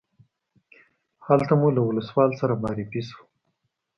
هلته مو له ولسوال سره معرفي شوو.